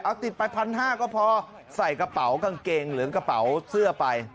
เอาติดไป๑๕๐๐ก็พอใส่กระเป๋ากางเกงหรือกระเป๋าเสื้อไป